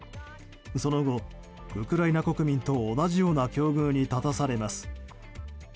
その後、ウクライナ国民と同じような境遇に立たされます。